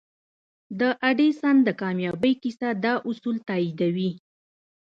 د ايډېسن د کاميابۍ کيسه دا اصول تاييدوي.